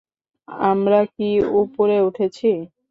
আমরা কি উপরে উঠেছি?